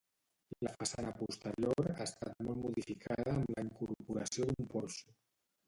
La façana posterior ha estat molt modificada amb la incorporació d'un porxo.